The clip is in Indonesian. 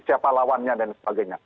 siapa lawannya dan sebagainya